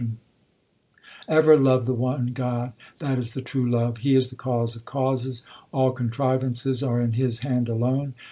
186 THE SIKH RELIGION Ever love the one God that is the true love. He is the cause of causes ; all contrivances are in His hand alone.